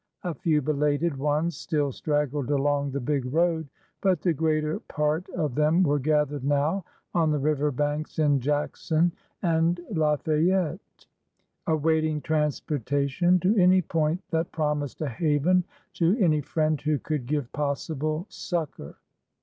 A few belated ones still straggled along the big road,'' but the greater part of them were gathered now on the river banks in Jackson and Lafayette, awaiting transportation to any point that promised a haven, to any friend who could give possible succor.